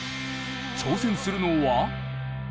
挑戦するのは。